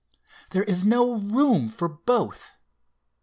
There is no room for both.